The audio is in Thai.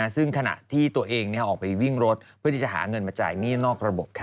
ซึ่งขณะที่ตัวเองออกไปวิ่งรถเพื่อที่จะหาเงินมาจ่ายหนี้นอกระบบ